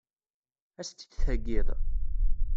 Ad as-tt-id-theggiḍ?